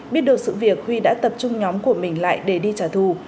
biết được sự việc huy đã tập trung nhóm của mình lại để đi trả thù